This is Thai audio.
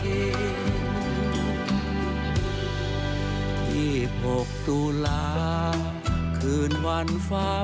๗๐ปีแห่งการครองราชนะครับ๗๐ปีแห่งการทำพระราชกรณียกิจเยอะแยะมากมาย